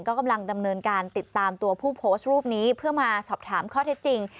ก็กำลังดำเนินการติดตามตัวผู้โพสต์รูปนี้เพื่อมาสอบถามข้อเท็จจริง